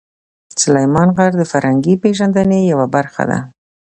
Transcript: سلیمان غر د فرهنګي پیژندنې یوه برخه ده.